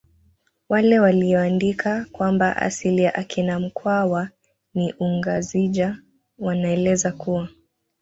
Wale waliyoandika kwamba asili ya akina mkwawa ni ungazija wanaeleza kuwa